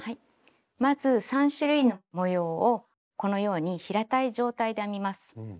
まず３種類の模様をこのように平たい状態で編みます。